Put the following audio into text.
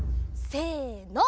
せの。